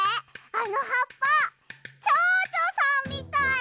あのはっぱちょうちょさんみたい。